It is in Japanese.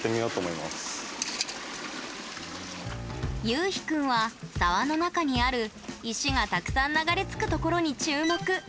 ゆうひ君は沢の中にある、石がたくさん流れ着くところに注目。